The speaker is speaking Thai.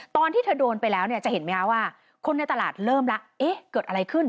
ตอนที่เธอโดนไปแล้วเนี่ยจะเห็นไหมคะว่าคนในตลาดเริ่มแล้วเอ๊ะเกิดอะไรขึ้น